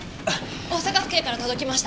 大阪府警から届きました。